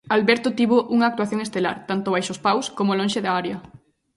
Alberto tivo unha actuación estelar, tanto baixo os paus como lonxe da área.